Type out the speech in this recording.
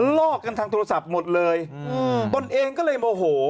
ลอกกันทางโทรศัพท์หมดเลยอืมตนเองก็เลยโมโห